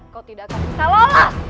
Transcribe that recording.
kau tidak akan bisa lolos